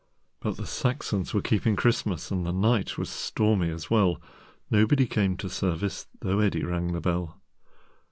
But the Saxons were keeping Christmas, And the night was stormy as well. Nobody came to service, Though Eddi rang the bell.